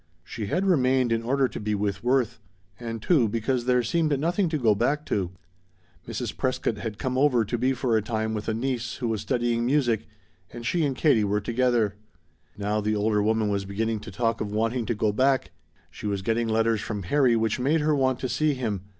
She had remained in order to be with Worth; and, too, because there seemed nothing to go back to. Mrs. Prescott had come over to be for a time with a niece who was studying music, and she and Katie were together. Now the older woman was beginning to talk of wanting to go back; she was getting letters from Harry which made her want to see him.